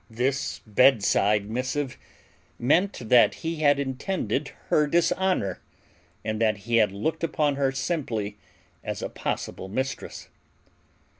This bedside missive meant that he had intended her dishonor and that he had looked upon her simply as a possible mistress.